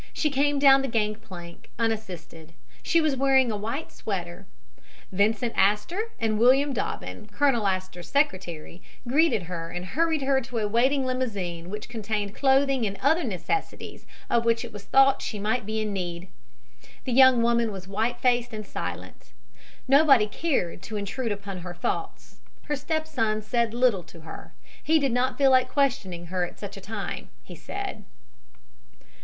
She came down the gangplank unassisted. She was wearing a white sweater. Vincent Astor and William Dobbyn, Colonel Astor's secretary, greeted her and hurried her to a waiting limousine which contained clothing and other necessaries of which it was thought she might be in need. The young woman was white faced and silent. Nobody cared to intrude upon her thoughts. Her stepson said little to her. He did not feel like questioning her at such a time, he said.